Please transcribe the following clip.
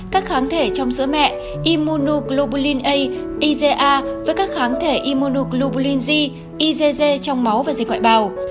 các kháng thể trong sữa mẹ immunoglobulin a iga với các kháng thể immunoglobulin g igg trong máu và dây quại bào